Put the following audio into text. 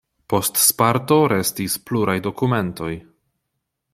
Post Sparto restis pluraj dokumentoj.